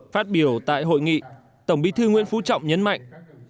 phát biểu tại hội nghị tổng bí thư nguyễn phú trọng nhấn mạnh